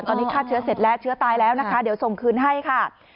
ตอนนี้ฆ่าเชื้อเสร็จแล้วเชื้อตายแล้วนะคะเดี๋ยวส่งคืนให้ค่ะ